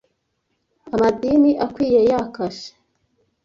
amadini akwiye ya kashe,